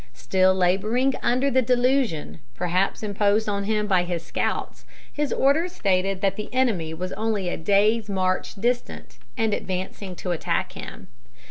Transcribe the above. Still laboring under the delusion, perhaps imposed on him by his scouts, his orders stated that the enemy was only a day's march distant, and advancing to attack him.